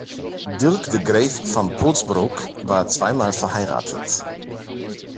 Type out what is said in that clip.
Dirk de Graeff van Polsbroek war zweimal verheiratet.